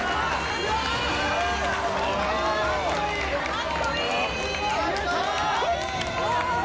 かっこいい！